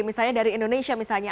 misalnya dari indonesia misalnya